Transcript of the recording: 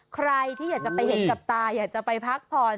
ใครที่อยากจะไปเห็นกับตาอยากจะไปพักผ่อน